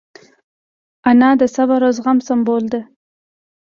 انا د صبر او زغم سمبول ده